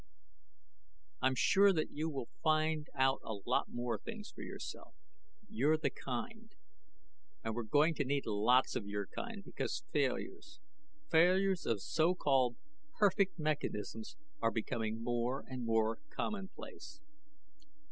I'm sure that you will find out a lot more things for yourself. You're the kind. And we're going to need a lot of your kind, because failures failures of so called perfect mechanisms are becoming more and more commonplace."